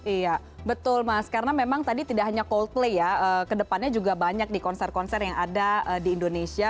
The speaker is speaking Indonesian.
iya betul mas karena memang tadi tidak hanya coldplay ya kedepannya juga banyak di konser konser yang ada di indonesia